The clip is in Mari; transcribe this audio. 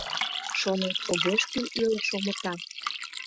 Шонет, огеш кӱл илыш омыта.